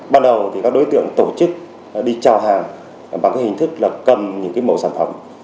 ban đầu các đối tượng tổ chức đi trào hàng bằng hình thức cầm mẫu sản phẩm